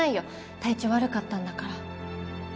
体調悪かったんだから。